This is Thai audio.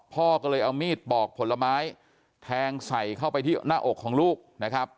พ่อก็เลยเอามีดปอกผลไม้แทงใส่เข้าไปที่หน้าอกของลูกนะครับ